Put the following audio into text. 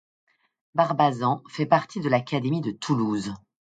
Barbazan fait partie de l'académie de Toulouse.